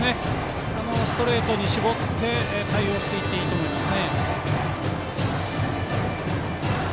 ストレートに絞って対応していっていいと思います。